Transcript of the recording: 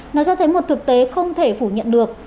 nó cho thấy một thực tế không thể phủ nhận được